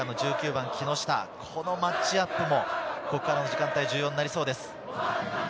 このマッチアップもここからの時間帯、重要になりそうです。